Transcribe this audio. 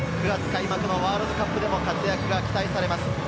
ワールドカップでも活躍が期待されます。